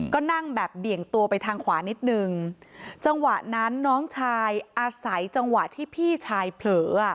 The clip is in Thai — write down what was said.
ก็นั่งแบบเบี่ยงตัวไปทางขวานิดนึงจังหวะนั้นน้องชายอาศัยจังหวะที่พี่ชายเผลอ